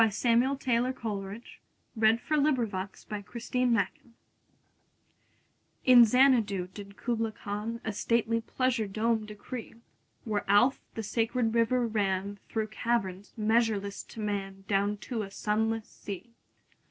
Samuel Taylor Coleridge. 1772–1834 550. Kubla Khan IN Xanadu did Kubla Khan A stately pleasure dome decree: Where Alph, the sacred river, ran Through caverns measureless to man Down to a sunless sea.